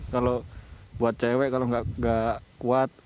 kalau buat cewek kalau nggak kuat